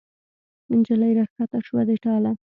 نجلۍ را کښته شوه د ټاله